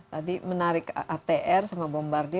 tadi menarik atr sama bombardi